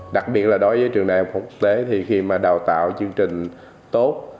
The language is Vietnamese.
đặc biệt là đối với trường đại học quốc tế thì khi mà đào tạo chương trình tốt